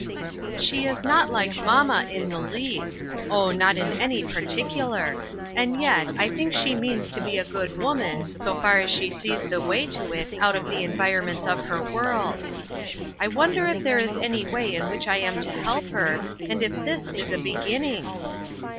"She is not like mamma in the least oh, not in any particular and yet I think she means to be a good woman, so far as she sees the way to it out of the environ ments of her world. I wonder if there is any way in which I am to help her, and if this is a beginning?"